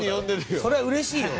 それはうれしいよ。